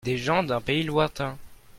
Des gens d'un pays lointain.